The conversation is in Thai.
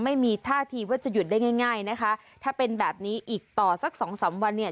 ไม่มีท่าทีว่าจะหยุดได้ง่ายง่ายนะคะถ้าเป็นแบบนี้อีกต่อสักสองสามวันเนี่ย